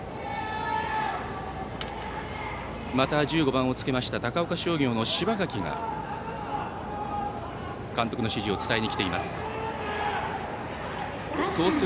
また１５番をつけました高岡商業の柴垣が監督の指示を伝えにきています。